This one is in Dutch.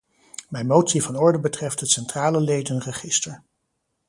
Mijn motie van orde betreft het centrale ledenregister.